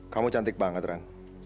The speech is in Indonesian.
kamu cantik banget ran